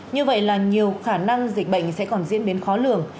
như vậy là nhiều khả năng dịch bệnh sẽ còn diễn biến khó lường